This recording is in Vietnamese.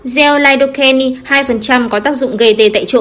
gel lidocaine hai có tác dụng gây tê